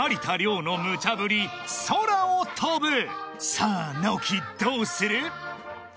［さあ直樹どうする？］